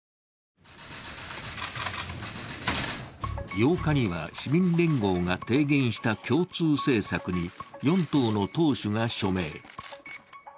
８日には市民連合が提言した共通政策に４党の投手が署名。